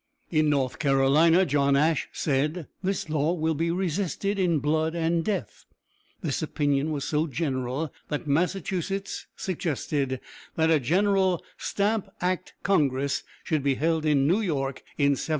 In North Carolina, John Ashe said: "This law will be resisted in blood and death." This opinion was so general that Massachusetts suggested that a general "Stamp Act Congress" should be held in New York, in 1765.